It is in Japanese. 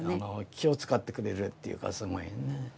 気を遣ってくれるっていうかすごいね。